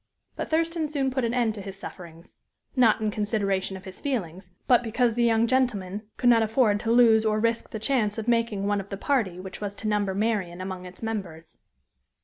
But Thurston soon put an end to his sufferings not in consideration of his feelings, but because the young gentleman could not afford to lose or risk the chance of making one of the party which was to number Marian among its members.